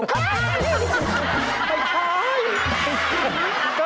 ไม่ใช่